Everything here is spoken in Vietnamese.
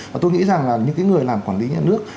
và tôi nghĩ rằng là những người làm quản lý nhà nước